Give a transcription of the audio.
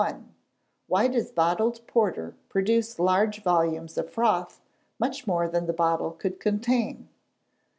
_Why does bottled porter produce large volumes of froth, much more than the bottle could contain?